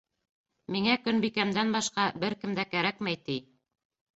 «Миңә Көнбикәмдән башҡа бер кем дә кәрәкмәй», ти.